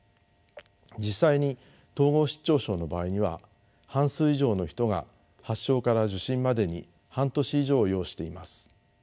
実際に統合失調症の場合には半数以上の人が発症から受診までに半年以上を要しています。